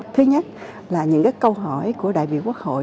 thứ nhất là những câu hỏi của đại biểu quốc hội